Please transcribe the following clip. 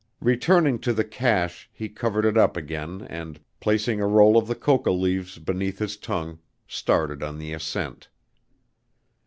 Returning to the caché, he covered it up again and, placing a roll of the coca leaves beneath his tongue, started on the ascent.